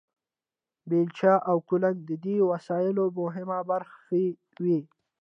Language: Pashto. بیلچې او کلنګ د دې وسایلو مهمې برخې وې.